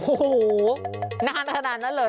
โอ้โหนานค่อนแล้วเลย